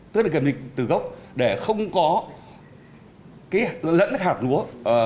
tức là kiểm định từ gốc để không có cái lẫn hạt lúa